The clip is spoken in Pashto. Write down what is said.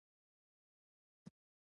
نورو مخکې کېږي.